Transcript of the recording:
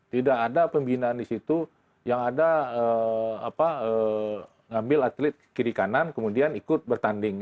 tidak ada pembinaan di situ yang ada ngambil atlet kiri kanan kemudian ikut bertanding